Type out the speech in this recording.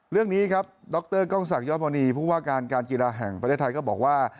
เรื่องนี้ครับดรกศยศมณีภูมิว่าการการกีฬาแห่งประเทศไทยก็บอกว่า